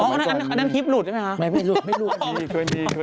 อันนั้นคลิปหลุดใช่ไหมคะ